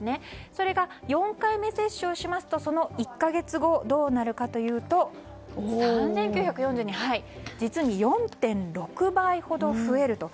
それが４回目接種をしますとその１か月後どうなるかというと３９４２で実に４．６倍ほど増えると。